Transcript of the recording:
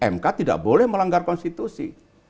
mk tidak boleh melanggar konstitusi